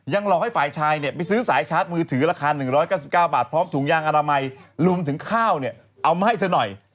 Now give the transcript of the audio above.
หลอกให้ฝ่ายชายเนี่ยไปซื้อสายชาร์จมือถือราคา๑๙๙บาทพร้อมถุงยางอนามัยรวมถึงข้าวเนี่ยเอามาให้เธอหน่อย